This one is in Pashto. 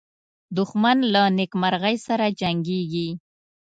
دښمن له نېکمرغۍ سره جنګیږي